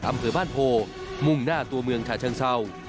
อำเภอบ้านโพมุ่งหน้าตัวเมืองฉาเชิงเศร้า